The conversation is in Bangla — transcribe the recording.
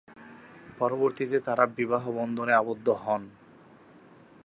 পরবর্তীতে তারা বিবাহবন্ধনে আবদ্ধ হন।